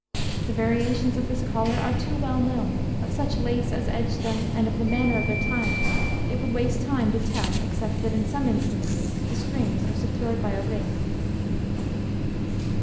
The variations of this collar are too well known; of such lace as edged them and of the manner of their tying, it would waste time to tell, except that in some instances the strings are secured by a ring.